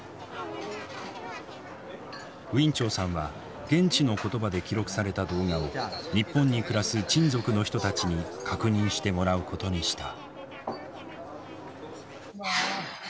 ウィン・チョウさんは現地の言葉で記録された動画を日本に暮らすチン族の人たちに確認してもらうことにした。